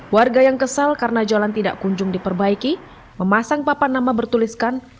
warga yang kesal karena jalan tidak kunjung diperbaiki memasang papan nama bertuliskan